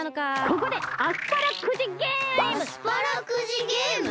ここでアスパラくじゲーム！